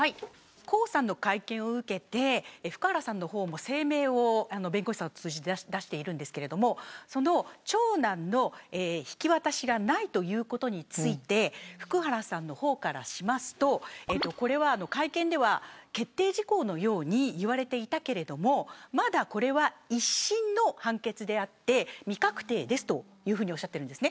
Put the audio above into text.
江さんの会見を受けて福原さんの方も声明を弁護士さんを通じて出していますが長男の引き渡しがないということについて福原さんの方からすると会見では決定事項のように言われていたけどまだこれは一審の判決であって未確定ですというふうにおっしゃっています。